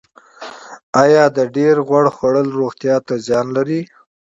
ایا د ډیر غوړ خوړل روغتیا ته زیان لري